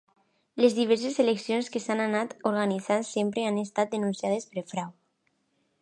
Les diverses eleccions que s'ha anat organitzant sempre han estat denunciades per frau.